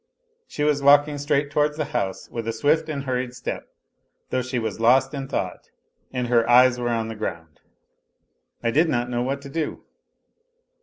She was walking straight towards the house with a swift and hurried step, though she was lost in thought, and her eyes were on the ground. I did not know what to do.